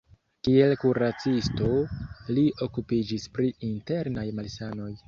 Kiel kuracisto li okupiĝis pri internaj malsanoj.